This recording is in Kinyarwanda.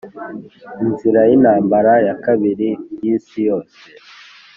inzira y'intambara ya kabiri y'isi yose: